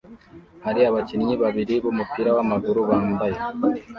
hari abakinnyi babiri bumupira wamaguru bambaye